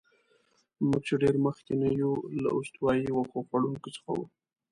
موږ چې ډېر مخکې نه یو، له استوایي وښو خوړونکو څخه وو.